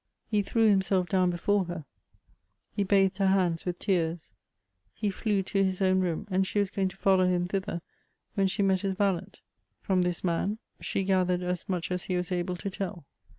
He threw himself down before her ; he bathed her hands with tears ; he flew to his own room, and she was going to follow him tbither when she met his valet. From this man she gathered as much as he was able to tell.